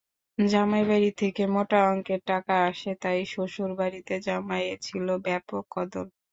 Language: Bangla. জামাই বাড়ি থেকে মোটা অঙ্কের টাকা আসে—তাই শ্বশুরবাড়িতে জামাইয়ের ছিল ব্যাপক কদর।